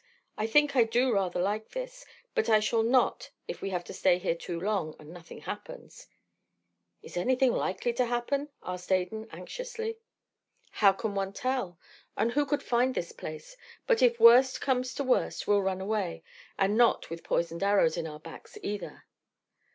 I think I do rather like this, but I shall not if we have to stay here too long and nothing happens." "Isn't anything likely to happen?" asked Adan, anxiously. "How can one tell? And who could find this place? But if worst comes to worst we'll run away and not with poisoned arrows in our backs, either."